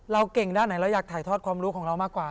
เก่งด้านไหนเราอยากถ่ายทอดความรู้ของเรามากกว่า